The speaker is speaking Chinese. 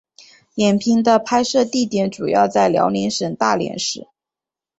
影片的拍摄地点主要在辽宁省大连市。